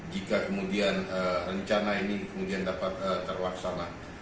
jika kemudian rencana ini dapat terwaksana